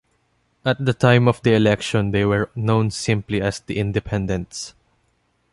At the time of the election they were known simply as The Independents.